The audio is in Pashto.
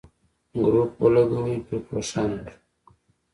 ګروپ ولګوئ ، ګروپ روښانه کړئ.